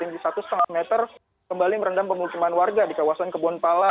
di satu lima meter kembali merendam pemukiman warga di kawasan kebon pala